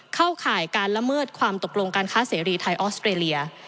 ข่ายการละเมิดความตกลงการค้าเสรีไทยออสเตรเลีย